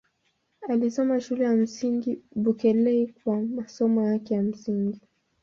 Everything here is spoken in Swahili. Alisoma Shule ya Msingi Bulekei kwa masomo yake ya msingi.